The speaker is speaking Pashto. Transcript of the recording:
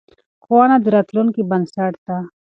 ښوونه د راتلونکې بنسټ دی.